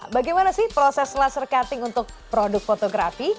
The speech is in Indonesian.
bagaimana sih proses laser cutting untuk produk fotografi